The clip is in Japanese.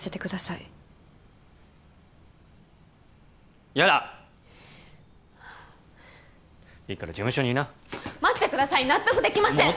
いいから事務所にいな待ってください納得できません！